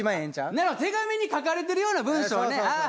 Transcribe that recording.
なるほど手紙に書かれてるような文章ねああ